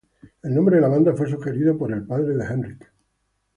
El nombre de la banda fue sugerido por el padre de Henrik.